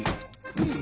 うん。